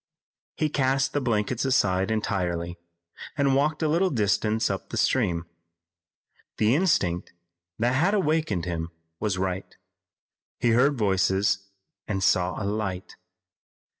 He cast the blankets aside entirely and walked a little distance up the stream. The instinct that had awakened him was right. He heard voices and saw a light.